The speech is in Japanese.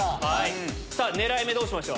さあ、狙い目、どうしましょう。